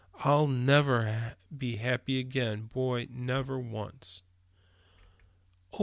I'll never be happy again, boys, never once!" "Oh!